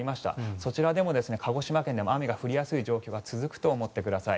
そちらでも鹿児島県でも雨が降りやすい状況が続くと思ってください。